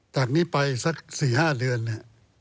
จากนี้ไปสัก๔๕เดือนเนี่ย